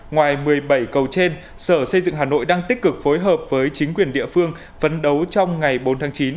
ngoài một mươi bảy cầu trên sở xây dựng hà nội đang tích cực phối hợp với chính quyền địa phương phấn đấu trong ngày bốn tháng chín